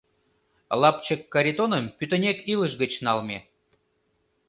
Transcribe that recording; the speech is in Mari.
Лапчык Каритоным пӱтынек илыш гыч налме.